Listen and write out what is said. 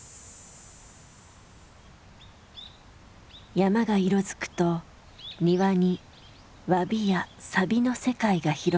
山が色づくと庭に「わび」や「さび」の世界が広がる。